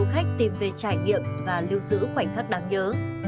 các du khách tìm về trải nghiệm và lưu giữ khoảnh khắc đáng nhớ